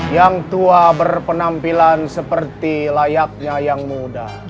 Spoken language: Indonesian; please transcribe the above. yang tua berpenampilan seperti layaknya yang muda